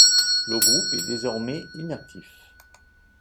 Le groupe est désormais inactif.